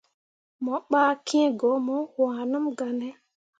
Mo ɓah kiŋ ko mo waaneml gah ne.